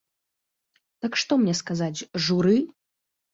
Так што мне сказаць журы?